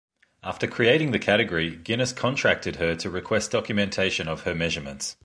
After creating the category, Guinness contacted her to request documentation of her measurements.